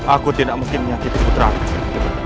aku tidak mungkin menyakiti putraku